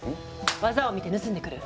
技を見て盗んでくる。